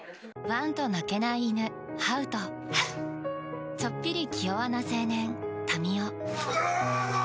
ワンと鳴けない犬、ハウとちょっぴり気弱な青年・民夫。